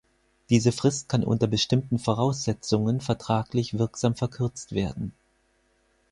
Diese Frist kann unter bestimmten Voraussetzungen vertraglich wirksam verkürzt werden.